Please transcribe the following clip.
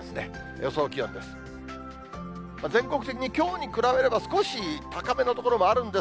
予想気温です。